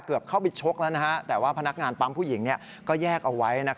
เข้าไปชกแล้วแต่ว่าพนักงานปั๊มผู้หญิงก็แยกเอาไว้